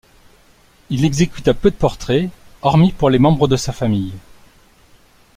Il exécuta peu de portraits, hormis pour les membres de sa famille.